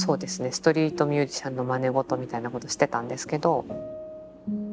ストリートミュージシャンのまねごとみたいなことしてたんですけど。